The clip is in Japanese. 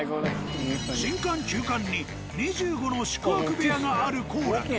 新館旧館に２５の宿泊部屋がある「幸楽」。